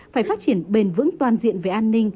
phải phát triển bền vững toàn diện về an ninh